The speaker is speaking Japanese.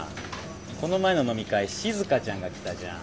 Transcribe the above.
この前の飲み会しずかちゃんが来たじゃん。